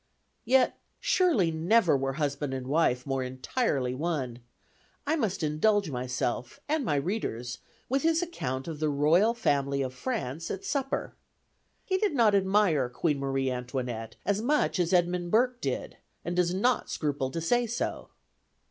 Yet surely never were husband and wife more entirely one I must indulge myself, and my readers, with his account of the Royal Family of France at supper. He did not admire Queen Marie Antoinette as much as Edmund Burke did, and does not scruple to say so.